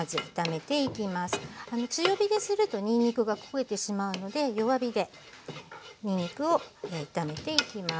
強火でするとにんにくが焦げてしまうので弱火でにんにくを炒めていきます。